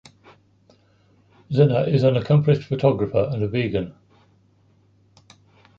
Zinner is an accomplished photographer and a vegan.